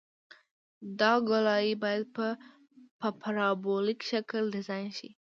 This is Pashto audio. دا ګولایي باید په پارابولیک شکل ډیزاین شي